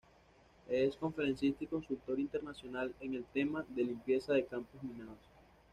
Es Conferencista y Consultor Internacional en el tema de Limpieza de Campos Minados.